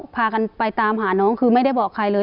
พากันไปตามหาน้องคือไม่ได้บอกใครเลย